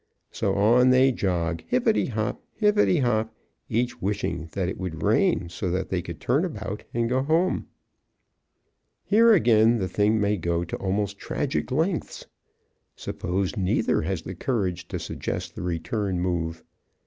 So on they jog, hippity hop, hippity hop, each wishing that it would rain so that they could turn about and go home. Here again the thing may go to almost tragic lengths. Suppose neither has the courage to suggest the return move.